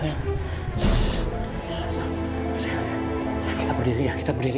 kesehatan kita berdiri ya kita berdiri